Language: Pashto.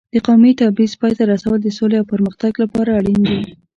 د قومي تبعیض پای ته رسول د سولې او پرمختګ لپاره اړین دي.